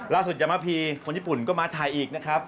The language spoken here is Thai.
ยามะพีคนญี่ปุ่นก็มาถ่ายอีกนะครับ